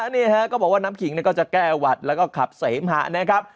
นี่ฮะก็บอกว่าน้ำขิงก็จะแก้หวัดแล้วก็ขับเสมหะนะครับ